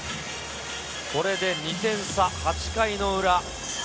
これで２点差、８回の裏。